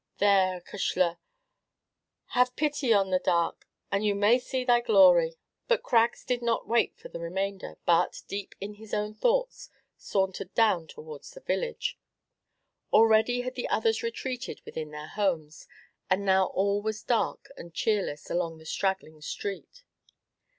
There, acushla, have pity on 'the dark,' and that you may see glory " But Craggs did not wait for the remainder, but, deep in his own thoughts, sauntered down towards the village. Already had the others retreated within their homes; and now all was dark and cheerless along the little straggling street.